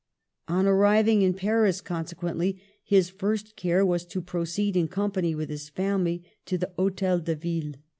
On arriving in Paris, consequently, his first care was to proceed, in company with his family, to the Hdtel de Ville.